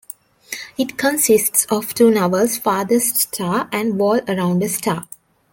It consists of two novels, Farthest Star and Wall Around a Star.